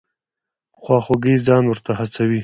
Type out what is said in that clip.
په خواخوږۍ ځان ورته هڅوي.